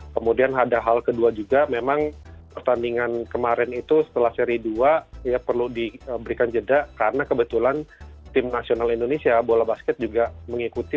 kemudian ada hal kedua juga memang pertandingan kemarin itu setelah seri dua ya perlu diberikan jeda karena kebetulan tim nasional indonesia bola basket juga mengikuti